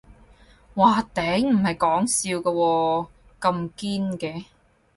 嘩頂，唔係講笑㗎喎，咁堅嘅